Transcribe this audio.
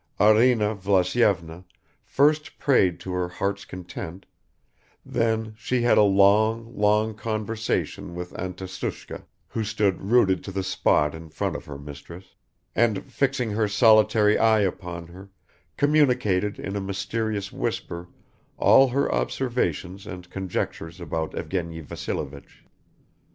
Arina Vlasyevna first prayed to her heart's content, then she had a long, long conversation with Anfisushka, who stood rooted to the spot in front of her mistress, and fixing her solitary eye upon her, communicated in a mysterious whisper all her observations and conjectures about Evgeny Vassilevich.